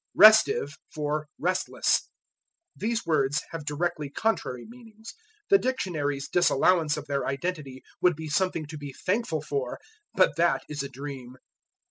Restive for Restless. These words have directly contrary meanings; the dictionaries' disallowance of their identity would be something to be thankful for, but that is a dream.